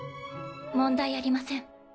問題ありません。